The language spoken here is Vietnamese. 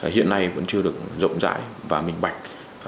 hiện nay vẫn chưa được rộng rãi và minh bạch